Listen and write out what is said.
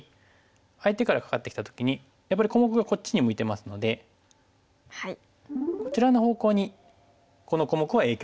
相手からカカってきた時にやっぱり小目がこっちに向いてますのでこちらの方向にこの小目は影響力を与えやすい。